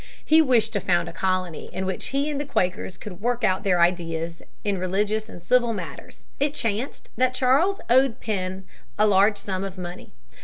He wished to found a colony in which he and the Quakers could work out their ideas in religious and civil matters. It chanced that Charles owed Penn a large sum of money.